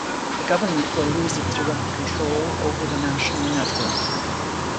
The government will lose its direct control over the national network.